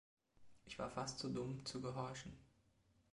Ich war fast so dumm, zu gehorchen.